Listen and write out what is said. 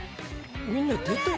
みんな出たよ。